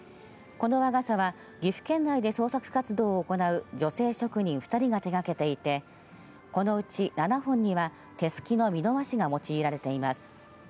この和傘は岐阜県内で創作活動を行う女性職人２人が手がけていてこのうち７本には手すきの美濃和紙が用いられています。